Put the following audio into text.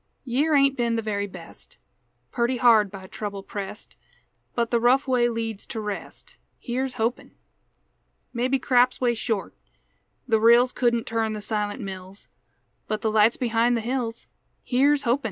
Year ain't been the very best; Purty hard by trouble pressed; But the rough way leads to rest, Here's hopin'! Maybe craps way short; the rills Couldn't turn the silent mills; But the light's behind the hills, Here's hopin'!